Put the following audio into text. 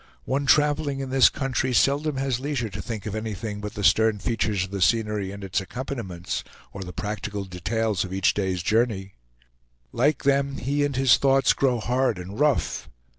One traveling in this country seldom has leisure to think of anything but the stern features of the scenery and its accompaniments, or the practical details of each day's journey. Like them, he and his thoughts grow hard and rough.